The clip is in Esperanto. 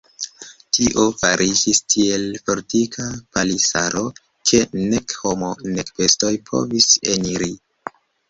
Tio fariĝis tiel fortika palisaro, ke nek homo nek bestoj povis eniri.